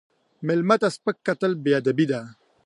مېلمه ته سپک کتل بې ادبي ده.